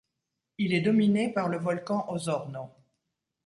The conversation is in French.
Il est dominé par le volcan Osorno.